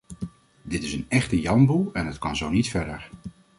Dit is een echte janboel en het kan zo niet verder.